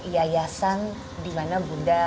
iayasan dimana bunda